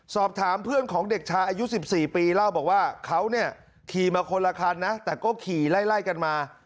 สอบถามเพื่อนของเด็กชายอายุ๑๔ปีเล่าบอกว่าเขาเนี่ยขี่มาคนละคันนะแต่ก็ขี่ไล่กันมา